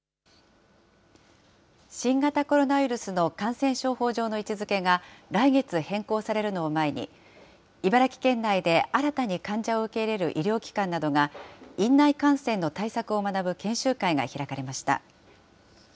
新型コロナウイルスの感染症法上の位置づけが来月変更されるのを前に、茨城県内で新たに患者を受け入れる医療機関などが、院内感染の対策を学ぶ研修会が開かれました。